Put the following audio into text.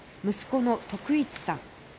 息子の徳一さん